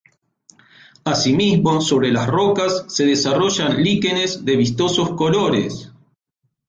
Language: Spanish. Asimismo sobre las rocas se desarrollan "líquenes" de vistosos colores.